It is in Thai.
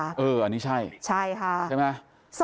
อันนี้ใช่ใช่ไหมคะใช่ค่ะ